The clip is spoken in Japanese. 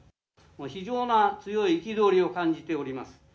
非常な強い憤りを感じております。